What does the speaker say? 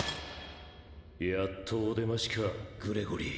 やっとお出ましかグレゴリー。